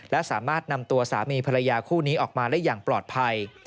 และสามารถนำตัวสามีภรรยาคู่นี้ออกมาได้อย่างปลอดภัย